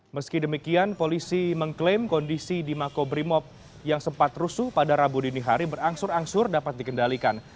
meski demikian polisi mengklaim kondisi di makobrimob yang sempat rusuh pada rabu dini hari berangsur angsur dapat dikendalikan